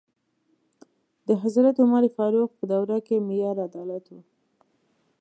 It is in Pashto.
د حضرت عمر فاروق په دوره کې معیار عدالت و.